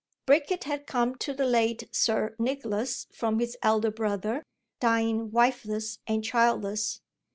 Bricket had come to the late Sir Nicholas from his elder brother, dying wifeless and childless.